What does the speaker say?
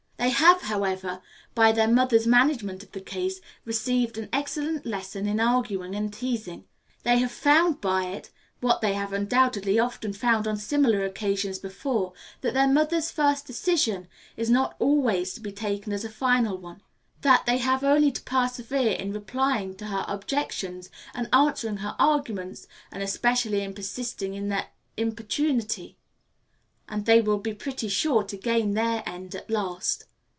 They have, however, by their mother's management of the case, received an excellent lesson in arguing and teasing. They have found by it, what they have undoubtedly often found on similar occasions before, that their mother's first decision is not at all to be taken as a final one; that they have only to persevere in replying to her objections and answering her arguments, and especially in persisting in their importunity, and they will be pretty sure to gain their end at last.